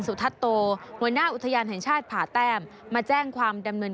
สุทัศโตหัวหน้าอุทยานแห่งชาติผ่าแต้มมาแจ้งความดำเนิน